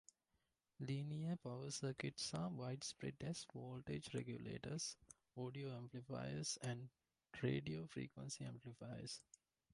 Linear power circuits are widespread as voltage regulators, audio amplifiers, and radio frequency amplifiers.